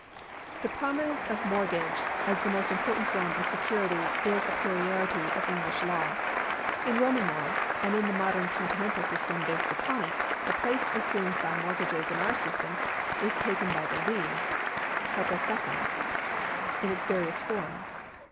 The prominence of mortgage as the most important form of security is a peculiarity of English law. In Roman law, and in the modern Continental systems based upon it, the place assumed by mortgages in our system is taken by the lien {hypotheca) in its various forms.